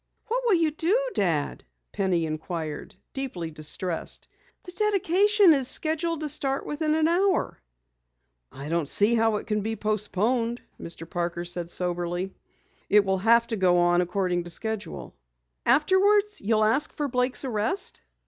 "What will you do, Dad?" Penny inquired, deeply distressed. "The dedication is scheduled to start within an hour." "I don't see how it can be postponed," Mr. Parker said soberly. "It will have to go on according to schedule." "Afterwards you'll ask for Blake's arrest?"